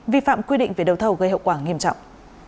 vi phạm quy định về đầu thầu gây hậu quả nghiêm trọng